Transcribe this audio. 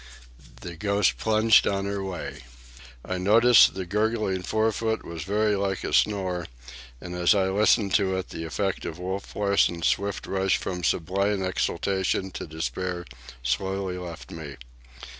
The Ghost ploughed on her way. I noted the gurgling forefoot was very like a snore, and as I listened to it the effect of Wolf Larsen's swift rush from sublime exultation to despair slowly left me.